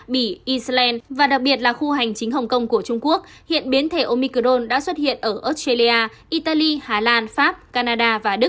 bỉ iceland và đặc biệt là khu hành chính hồng kông của trung quốc hiện biến thể omicdon đã xuất hiện ở australia italy hà lan pháp canada và đức